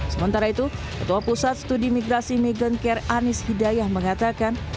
sementara itu ketua pusat studi migrasi meghan care anies hidayah mengatakan